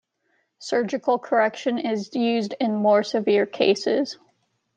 Surgical correction is used in more severe cases.